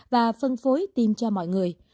và phân phối tiêm cho mọi người